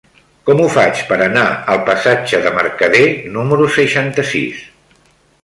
Com ho faig per anar al passatge de Mercader número seixanta-sis?